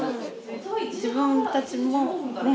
自分たちもね